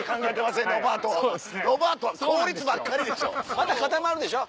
また固まるでしょ？